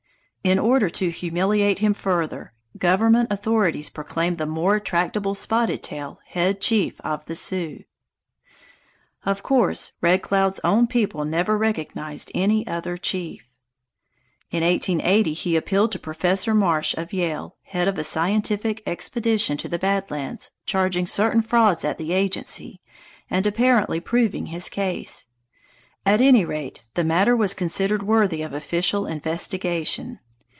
In order to humiliate him further, government authorities proclaimed the more tractable Spotted Tail head chief of the Sioux. Of course, Red Cloud's own people never recognized any other chief. In 1880 he appealed to Professor Marsh, of Yale, head of a scientific expedition to the Bad Lands, charging certain frauds at the agency and apparently proving his case; at any rate the matter was considered worthy of official investigation.